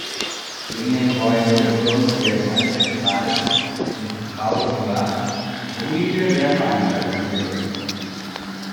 Die Innenräume des Turms werden als Festsaal und Trauzimmer sowie für Lehrveranstaltungen genutzt.